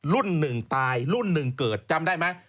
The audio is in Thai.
หนึ่งตายรุ่นหนึ่งเกิดจำได้ไหม